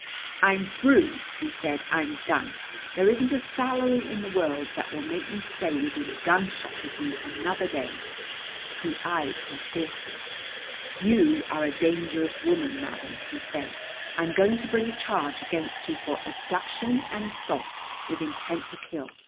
"I'm through!" he said. "I'm done! There isn't a salary in the world that will make me stay within gunshot of you another day." He eyed her fiercely. "You are a dangerous woman, madam," he said. "I'm going to bring a charge against you for abduction and assault with intent to kill.